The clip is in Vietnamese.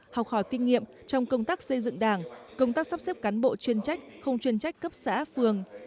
học hỏi kinh nghiệm trong công tác xây dựng đảng công tác sắp xếp cán bộ chuyên trách không chuyên trách cấp xã phường